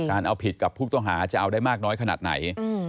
การเอาผิดกับพวกตัวหาจะเอาได้มากน้อยขนาดไหน